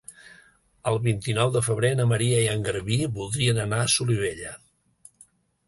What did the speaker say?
El vint-i-nou de febrer na Maria i en Garbí voldrien anar a Solivella.